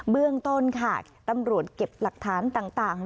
เรื่องต้นค่ะตำรวจเก็บหลักฐานต่าง